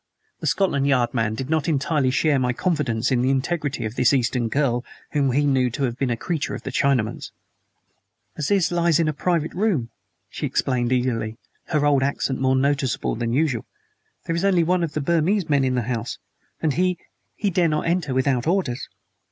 The Scotland Yard man did not entirely share my confidence in the integrity of this Eastern girl whom he knew to have been a creature of the Chinaman's. "Aziz lies in the private room," she explained eagerly, her old accent more noticeable than usual. "There is only one of the Burmese men in the house, and he he dare not enter without orders!"